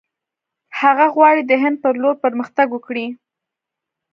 هغه غواړي د هند پر لور پرمختګ وکړي.